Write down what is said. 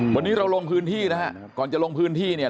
วันนี้เราลงพื้นที่นะฮะก่อนจะลงพื้นที่เนี่ย